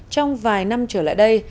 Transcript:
trong vài năm trở lại đây